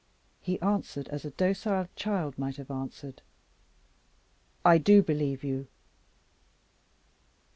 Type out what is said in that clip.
He answered as a docile child might have answered. "I do believe you."